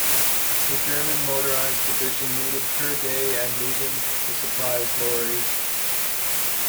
A German motorised division needed per day and moving the supplies lorries.